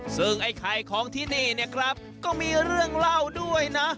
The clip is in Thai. ซึ่งไอ้ไข่ของที่นี่เนี่ยครับก็มีเรื่องเล่าด้วยนะ